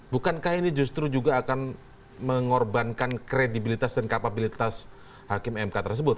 bukankah ini justru juga akan mengorbankan kredibilitas dan kapabilitas hakim mk tersebut